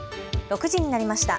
６時になりました。